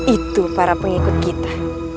itu para pengikut kita